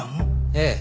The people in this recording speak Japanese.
ええ。